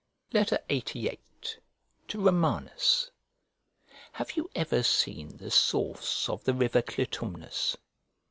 LXXX VIII To ROMANUS HAVE you ever seen the source of the river Clitumnus?